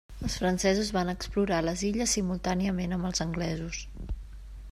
Els francesos van explorar les illes simultàniament amb els anglesos.